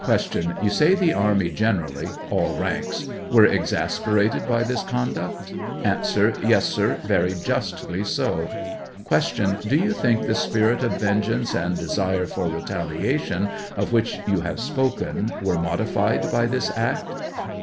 Tou say the army generally — all ranks — were exasperated by this conduct ? A. Yes, sir ; very justly so. Q. Do you think the spirit of vengeance and desire for retaliation of which you' have spoken were modified by this act